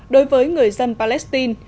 đối với người dân palestine